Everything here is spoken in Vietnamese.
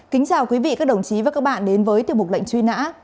kính chào quý vị các đồng chí và các bạn đến với tiểu mục lệnh truy nã